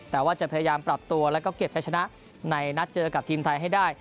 แต่ว่าจะพยายามปรับตัวแล้วก็เก็บใช้ชนะในนัดเจอกับทีมไทยให้ได้